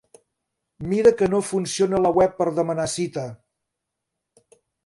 Mira que no funciona la web per demanar cita!